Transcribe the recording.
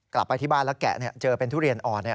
กลับไปที่บ้านแล้วแกะเจอเป็นทุเรียนอ่อน